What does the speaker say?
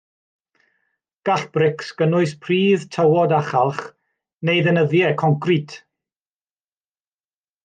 Gall brics gynnwys pridd, tywod a chalch, neu ddeunyddiau concrit.